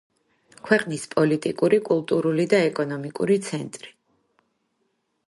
ქვეყნის პოლიტიკური, კულტურული და ეკონომიკური ცენტრი.